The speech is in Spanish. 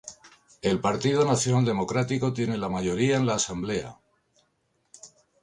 El Partido Nacional Democrático tiene la mayoría en la Asamblea.